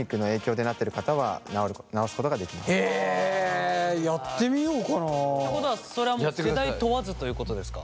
へえやってみようかな。ってことはそれはもう世代問わずということですか？